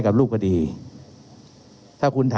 ครับก็เดี๋ยวเชิญพี่น้องสมุทรจะสอบถามไหม